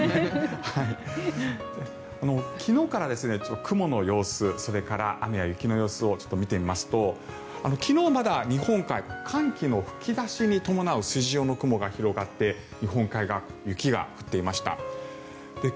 昨日から雲の様子それから雨や雪の様子を見てみますと昨日はまだ日本海寒気の吹き出しに伴う筋状の雲が広がって日本海側、雪が降っていました。